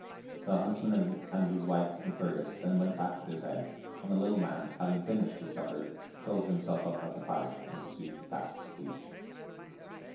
The huntsman and his wife and Fergus then went back to their beds, and the lit lie man, hav ing finished his supper, curled himself up by the fire, and was soon fast asleep.